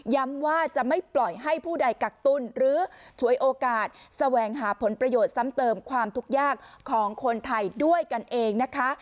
ว่าจะไม่ปล่อยให้ผู้ใดกักตุ้นหรือฉวยโอกาสแสวงหาผลประโยชน์ซ้ำเติมความทุกข์ยากของคนไทยด้วยกันเองนะคะ